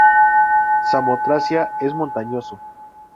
Samotracia es montañoso.